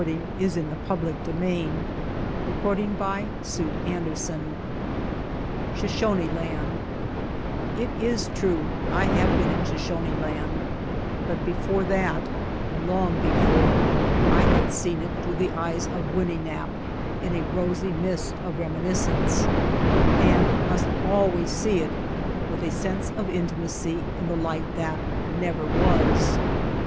'No man can be stronger' tMn his destiny. SHOSHONE LAND SHOSHONE LAND IT is true I have been in Shoshone Land, but before that, long before, I had seen it through the eyes of Winnenap' in a rosy mist of reminiscence, and must always see it with a sense of intimacy in the Hght that never was.